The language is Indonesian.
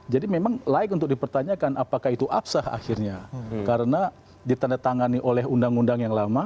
memang layak untuk dipertanyakan apakah itu apsah akhirnya karena ditandatangani oleh undang undang yang lama